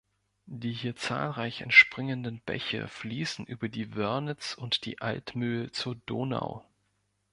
Die hier zahlreich entspringenden Bäche fließen über die Wörnitz und die Altmühl zur Donau.